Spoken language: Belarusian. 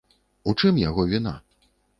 У чым яго віна?